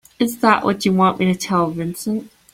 Is that what you want me to tell Vincent?